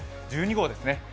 １２号ですね。